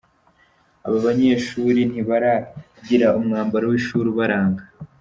Aba banyeshuri ntibaragira umwambaro w'ishuri ubaranga.